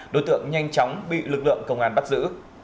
đối tượng nhanh chóng bị lực lượng công an bắt giữ